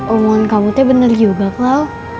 umuan kamu bener juga klau